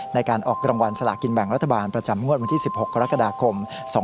ในการออกรางวัลสลากินแบ่งรัฐบาลประจำงวดวันที่๑๖กรกฎาคม๒๕๖